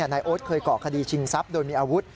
นายโอ๊ตเคยเกาะคดีชิงทรัพย์โดยมีอาวุธ